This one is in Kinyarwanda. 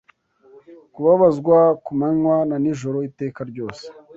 kubabazwa ku manywa na nijoro, iteka ryose